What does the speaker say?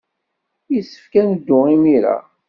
Yessefk ad neddu imir-a.